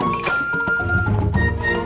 masih ada yang nangis